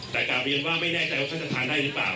แต่กลับเรียนว่าไม่แน่ใจว่าท่านจะทานได้หรือเปล่า